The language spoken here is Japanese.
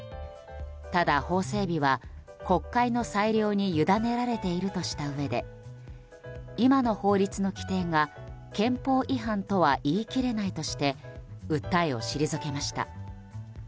ただ、法整備は国会の裁量にゆだねられているとしたうえで今の法律の規定が憲法違反とは言い切れないとして訴えを退けました。